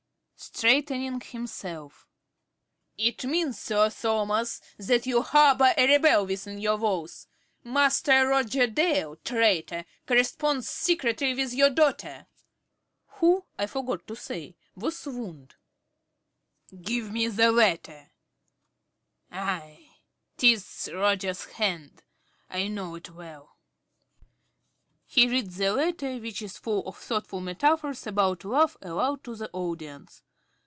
~Carey~ (straightening himself). It means, Sir Thomas, that you harbour a rebel within your walls. Master Roger Dale, traitor, corresponds secretly with your daughter. (Who, I forgot to say, has swooned.) ~Sir Thomas~ (sternly). Give me the letter. Ay, 'tis Roger's hand, I know it well. (_He reads the letter, which is full of thoughtful metaphors about love, aloud to the audience.